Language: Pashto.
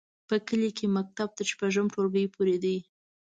په کلي کې مکتب تر شپږم ټولګي پورې دی.